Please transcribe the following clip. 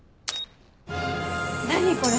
何これ？